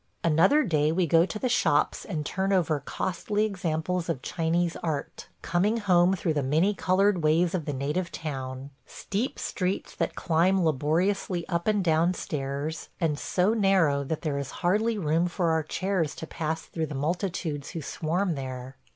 Another day we go to the shops and turn over costly examples of Chinese art – coming home through the many colored ways of the native town; – steep streets that climb laboriously up and down stairs, and so narrow that there is hardly room for our chairs to pass through the multitudes who swarm there.